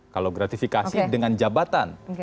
kalau gratifikasi dengan jabatan